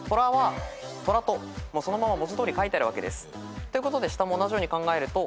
「とら」とそのまま文字どおり書いてあるわけです。ということで下も同じように考えると。